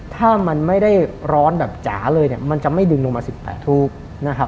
ถ้ามันไม่ได้ร้อนแบบจ๋าเลยเนี่ยมันจะไม่ดึงลงมา๑๘ถูกนะครับ